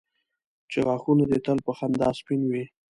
چې غاښونه دي تل په خندا سپین وي.